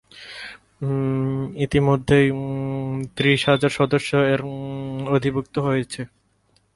ইতোমধ্যেই ত্রিশ হাজার সদস্য এর অধিভূক্ত হয়েছে।